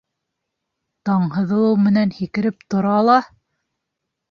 Таң һыҙылыу менән һикереп тора ла: